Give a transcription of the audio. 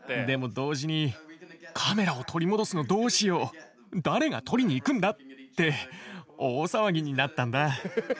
でも同時にカメラを取り戻すのどうしよう誰が取りに行くんだって大騒ぎになったんだ。